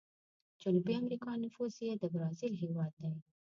جنوبي امريکا نفوس یې د برازیل هیواد دی.